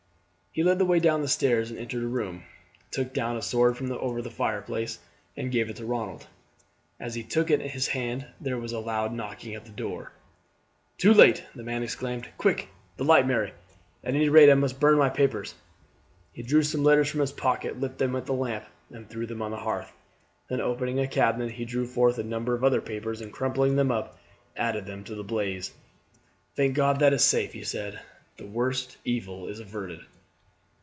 He led the way down stairs and entered a room, took down a sword from over the fireplace, and gave it to Ronald. As he took it in his hand there was a loud knocking at the door. "Too late!" the man exclaimed. "Quick, the light, Mary! At any rate I must burn my papers." He drew some letters from his pocket, lit them at the lamp, and threw them on the hearth; then opening a cabinet he drew forth a number of other papers and crumpling them up added them to the blaze. "Thank God that is safe!" he said; "the worst evil is averted."